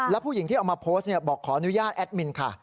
แล้วผู้หญิงที่เอามาโพสต์บอกขออนุญาตแอดมินค่ะ